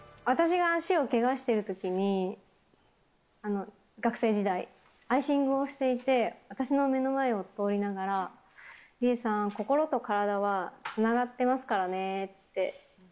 私が足をけがしているときに、学生時代、アイシングをしていて、私の目の前を通りながら、理恵さん、心と体はつながってますからねって。